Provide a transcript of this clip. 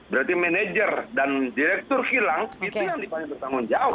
berarti manajer dan direktur hilang itu yang dipanggil bertanggung jawab